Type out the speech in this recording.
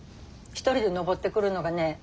一人で登ってくるのがね